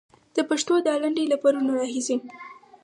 د پښتو دا لنډۍ له پرونه راهيسې.